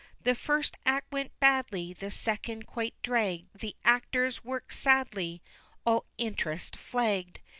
If first act went badly The second quite dragged; The actors worked sadly, All interest flagged.